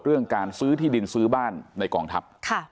เรื่องการซื้อที่ดินซื้อบ้านในกองทัพ